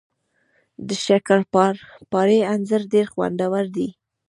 د شکرپارې انځر ډیر خوندور وي